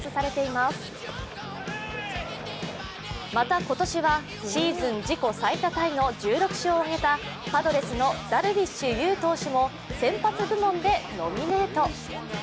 また、今年はシーズン自己最多タイの１６勝を挙げたパドレスのダルビッシュ有投手も先発部門でノミネート。